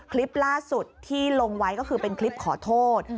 คลิปล่าสุดที่ลงไว้ก็คือเป็นคลิปขอโทษ